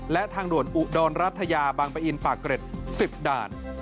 และทางด่วนอุดรรัฐยาบางปะอินปากเกร็ด๑๐ด่าน